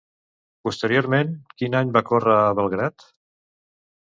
Posteriorment, quin any va córrer a Belgrad?